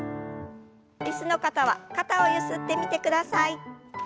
椅子の方は肩をゆすってみてください。